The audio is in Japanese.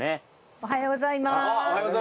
おはようございます。